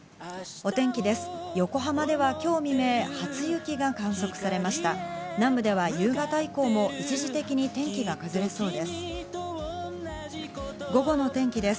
お天気です。